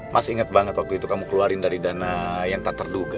masih inget banget waktu itu kamu keluarin dari dana yang tak terduga